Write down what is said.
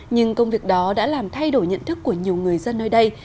nhưng công việc đó đã làm thay đổi nhận thức của nhiều người dân nơi đây